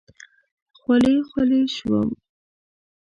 خولې خولې شوم.